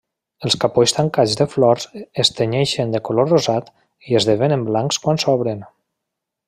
Els capolls tancats de flors es tenyeixen de color rosat i esdevenen blancs quan s'obren.